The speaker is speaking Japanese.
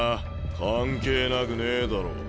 関係なくねえだろ。